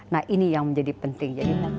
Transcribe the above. nah ini yang menjadi penting